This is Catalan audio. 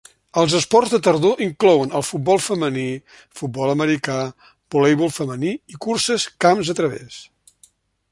Els esports de tardor inclouen el futbol femení, futbol americà, voleibol femení i curses camp a través.